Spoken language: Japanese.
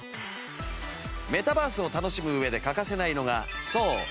メタバースを楽しむ上で欠かせないのがそう！